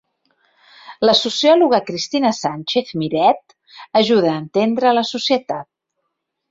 La sociòloga Cristina Sánchez Miret ajuda a entendre la societat.